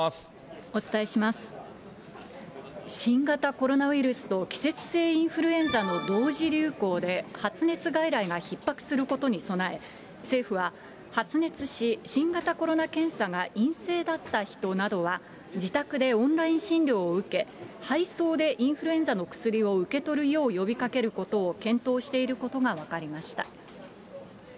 新型コロナウイルスと季節性インフルエンザの同時流行で、発熱外来がひっ迫することに備え、政府は、発熱し、新型コロナ検査が陰性だった人などは自宅でオンライン診療を受け、配送でインフルエンザの薬を受け取るよう呼びかけることを検討していることが分かりました。